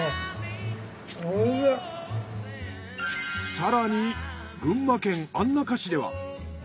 更に群馬県安中市では。